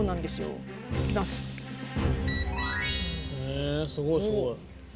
えすごいすごい。